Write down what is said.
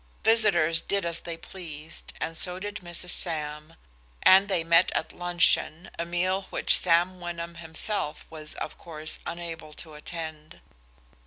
Visitors did as they pleased, and so did Mrs. Sam, and they met at luncheon, a meal which Sam Wyndham himself was of course unable to attend.